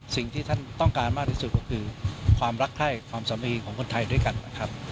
สิ่งที่ท่านต้องการมากที่สุดก็คือความรักใคร้ความสามัคคีของคนไทยด้วยกันนะครับ